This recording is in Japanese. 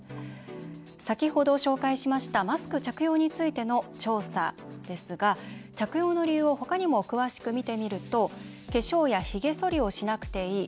先ほど紹介しましたマスク着用についての調査ですが着用の理由を他にも詳しく見てみると化粧やひげそりをしなくていい。